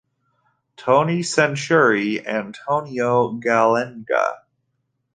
Toni Cerutti: Antonio Gallenga.